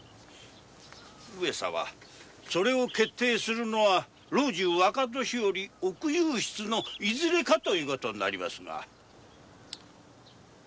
上様それを決定するのは老中若年寄奥祐筆のいずれかという事になりますが。